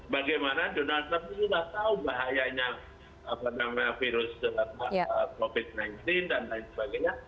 bagaimana donald trump itu sudah tahu bahayanya virus covid sembilan belas dan lain sebagainya